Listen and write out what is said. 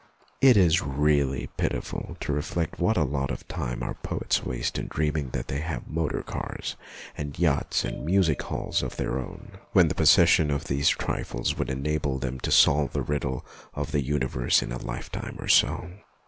... It is really pitiful to reflect what a lot of time our poets waste in dreaming that they have motor cars and yachts and music halls of their own, when the possession of these trifles would enable them to solve the riddle of the universe in a lifetime or so.